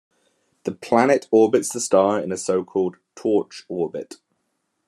The planet orbits the star in a so-called "torch orbit".